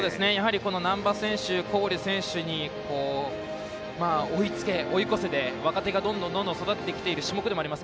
難波選手、小堀選手に追いつけ、追い越せで若手がどんどん育ってる種目でもあります。